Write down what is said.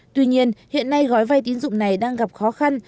tuy nhiên hiện nay gói vay tín dụng này đang gặp khó khăn